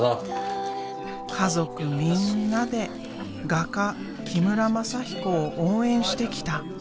家族みんなで画家木村全彦を応援してきた。